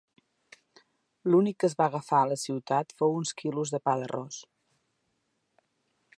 L'únic que es va agafar a la ciutat fou uns quilos de pa d'arròs.